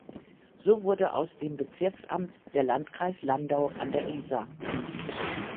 So wurde aus dem Bezirksamt der Landkreis Landau an der Isar.